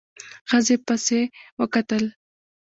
ښځې پسې وکتل.